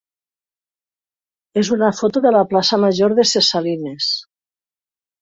és una foto de la plaça major de Ses Salines.